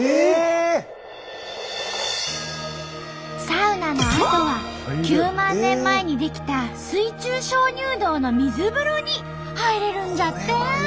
サウナのあとは９万年前に出来た水中鍾乳洞の水風呂に入れるんじゃって！